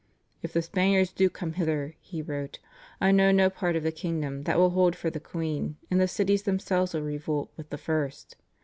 "If the Spaniards do come hither," he wrote, "I know no part of the kingdom that will hold for the queen, and the cities themselves will revolt with the first.